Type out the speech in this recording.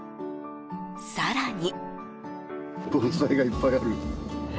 更に。